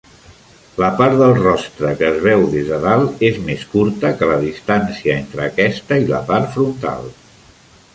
La part del rostre que es veu des de dalt és més curta que la distància entre aquesta i la part frontal.